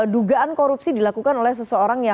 dugaan korupsi dilakukan oleh seseorang yang